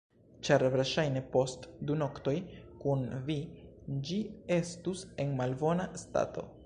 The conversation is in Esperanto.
Ĉar verŝajne post du noktoj kun vi ĝi estus en malbona stato.